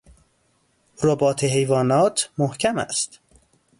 رباط حیوانات محکم است.